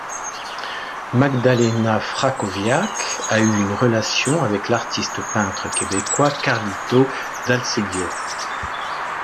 Magdalena Frackowiak a eu une relation avec l'artiste peintre québécois Carlito Dalceggio.